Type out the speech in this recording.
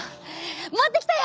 持ってきたよ！